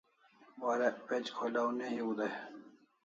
Warek page kholaw ne hiu dai